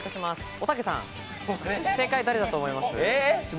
おたけさん、正解、誰だと思います？